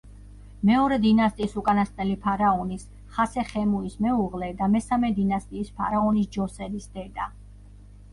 მეორე დინასტიის უკანასკნელი ფარაონის ხასეხემუის მეუღლე და მესამე დინასტიის ფარაონის ჯოსერის დედა.